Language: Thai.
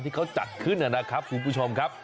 ที่เขาจัดขึ้นนะครับ